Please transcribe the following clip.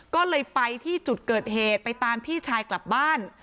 ก็เลยไปที่จุดเกิดเหตุไปตามพี่ชายกลับบ้าน